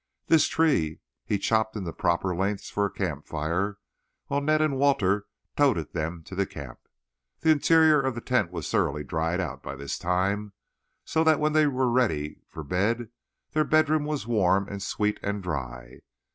This tree he chopped into proper lengths for a campfire while Ned and Walter toted them to camp. The interior of the tent was thoroughly dried out by this time, so that when they were ready for bed their bedroom was warm and sweet and dry.